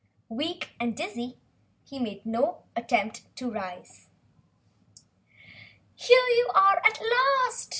Weak and dizzy, he made no attempt to rise. "Here you are at last!"